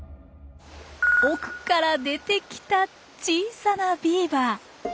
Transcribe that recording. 奥から出てきた小さなビーバー。